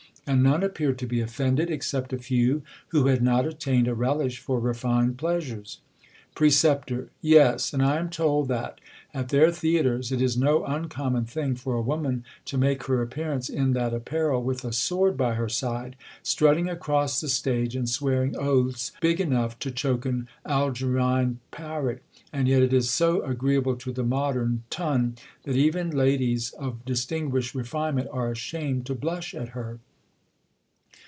And none appeared to be offended, except a few who had not attained a relish for refined pleasures. Precep. Yes, and I am told, that, at their theatres, it is no uncommon thing for a woman to make her appear ance, in that apparel, with a sword by her side, strut ting across the stage, and swearing, oaths big enough to choke an Algerine pirate ; and yet il is so agreeable to the modern )o7i, that even ladies of distinguished re finement are ashamed to blush at her